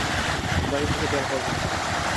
গাড়ি থেকে বের হওয়া যাবে না।